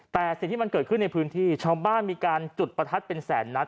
แต่สิ่งที่มันเกิดขึ้นในพื้นที่ชาวบ้านมีการจุดประทัดเป็นแสนนัด